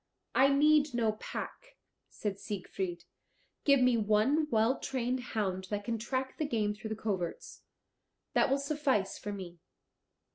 "I need no pack," said Siegfried; "give me one well trained hound that can track the game through the coverts. That will suffice for me."